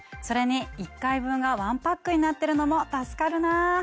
それに１回分が１パックになってるのも助かるな。